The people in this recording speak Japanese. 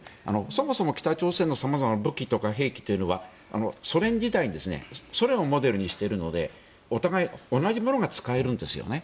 そもそも北朝鮮の武器とか兵器というのはソ連時代、ソ連をモデルにしているのでお互い、同じものが使えるんですよね。